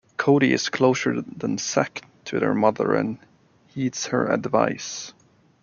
Cody is closer than Zack to their mother and heeds her advice.